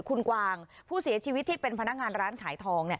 คุณกวางผู้เสียชีวิตที่เป็นพนักงานร้านขายทอง